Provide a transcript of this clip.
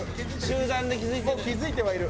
集団で気付いてる。